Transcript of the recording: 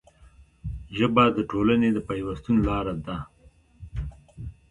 ژبه د ټولنې د پیوستون لاره ده